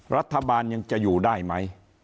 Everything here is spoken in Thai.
รัฐบาลยังจะอยู่ได้ไหม